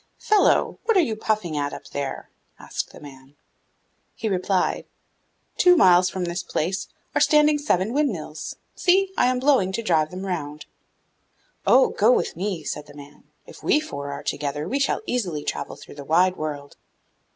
'Fellow, what are you puffing at up there?' asked the man. He replied, 'Two miles from this place are standing seven windmills; see, I am blowing to drive them round.' 'Oh, go with me,' said the man; 'if we four are together we shall easily travel through the wide world.